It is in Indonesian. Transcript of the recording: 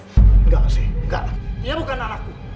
enggak asih enggak dia bukan anakku